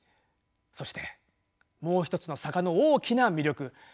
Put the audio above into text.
そしてもう一つの坂の大きな魅力。